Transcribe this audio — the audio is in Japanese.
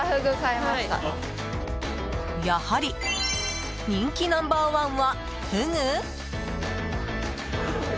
やはり人気ナンバー１はフグ？